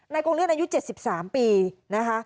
กงเลื่อนอายุ๗๓ปีนะคะ